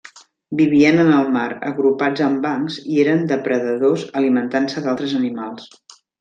Vivien en el mar, agrupats en bancs i eren depredadors, alimentant-se d'altres animals.